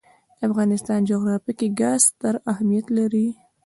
د افغانستان جغرافیه کې ګاز ستر اهمیت لري.